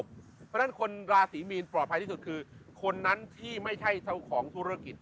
เพราะฉะนั้นคนราศีมีนปลอดภัยที่สุดคือคนนั้นที่ไม่ใช่เจ้าของธุรกิจ